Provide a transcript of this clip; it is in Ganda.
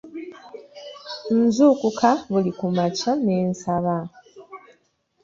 Nzuukuka buli ku makya ne nsaba.